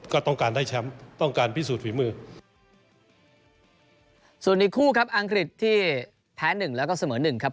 ก็ต้องการได้แชมป์ต้องการพิสูจน์ฝีมือส่วนอีกคู่ครับอังกฤษที่แพ้หนึ่งแล้วก็เสมอหนึ่งครับ